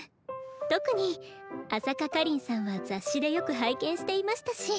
特に朝香果林さんは雑誌でよく拝見していましたし。